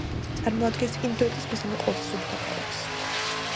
წარმოადგენს ინდოეთის მესამე ყველაზე სუფთა ქალაქს.